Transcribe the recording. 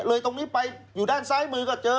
ตรงนี้ไปอยู่ด้านซ้ายมือก็เจอ